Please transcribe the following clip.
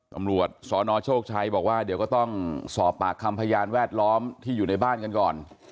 ตำรวจสนโชคชัยบอกว่าเดี๋ยวก็ต้องสอบปากคำพยานแวดล้อมที่อยู่ในบ้านกันก่อน